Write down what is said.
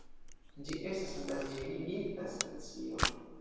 Ĝi estas endanĝerigita specio.